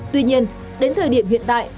tuy nhiên đến thời điểm hiện tại